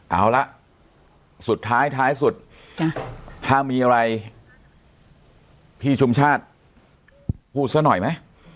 เอาละสุดท้ายท้ายสุดถ้ามีอะไรพี่ชุมชาติพูดซะหน่อยไหม